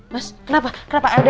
mas kenapa kenapa ada